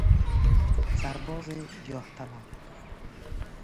سرباز جاه طلب